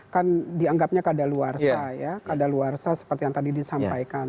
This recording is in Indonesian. kan dianggapnya keadaan luar saha ya keadaan luar saha seperti yang tadi disampaikan